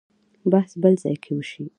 بحث بل ځای کې وشي.